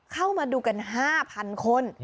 เข้ามาดูกัน๕๐๐๐คน